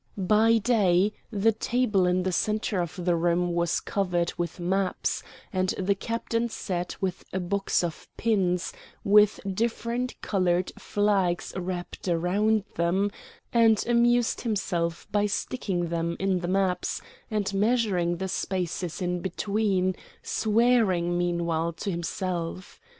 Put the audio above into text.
By day the table in the centre of the room was covered with maps, and the Captain sat with a box of pins, with different colored flags wrapped around them, and amused himself by sticking them in the maps and measuring the spaces in between, swearing meanwhile to himself.